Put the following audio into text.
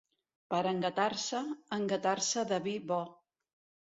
Per engatar-se, engatar-se de vi bo.